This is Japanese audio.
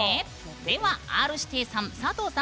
ではＲ‐指定さん、佐藤さん